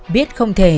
biết không thể